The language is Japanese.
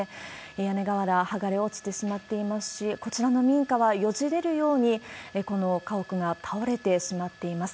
屋根瓦、剥がれ落ちてしまっていますし、こちらの民家はよじれるように、家屋が倒れてしまっています。